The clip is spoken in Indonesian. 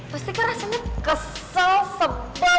pasti kan rasanya kesel sebat